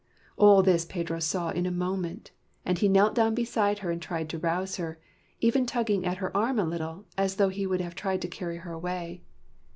All this Pedro saw in a moment, and he knelt down beside her and tried to rouse her, even tugging at her arm a little, as though he would have tried to carry her away.